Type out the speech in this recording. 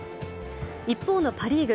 一方のパ・リーグ。